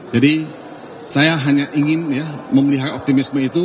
jadi saya hanya ingin memelihara optimisme itu